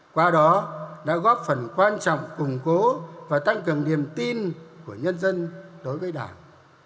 qua đó đã góp phần quan trọng củng cố và tăng cường niềm tin của nhân dân đối với đảng